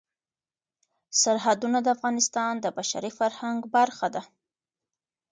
سرحدونه د افغانستان د بشري فرهنګ برخه ده.